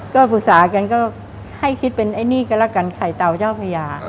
ก็ปรึกษากันก็ให้คิดเป็นนี่ไข่เตาเจ้าพญา